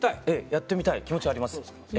ええやってみたい気持ちはあります。